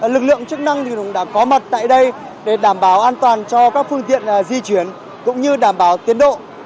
lực lượng chức năng cũng đã có mặt tại đây để đảm bảo an toàn cho các phương tiện di chuyển cũng như đảm bảo tiến độ